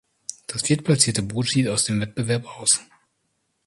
Das viertplatzierte Boot schied aus dem Wettbewerb aus.